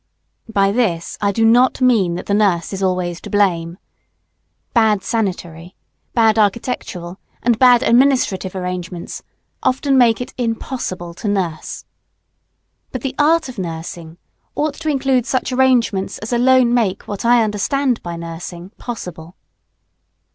By this I do not mean that the nurse is always to blame. Bad sanitary, bad architectural, and bad administrative arrangements often make it impossible to nurse. But the art of nursing ought to include such arrangements as alone make what I understand by nursing, possible.